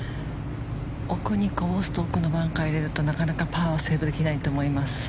奥にこぼすと奥のバンカーに入れるとなかなかパーはセーブできないと思います。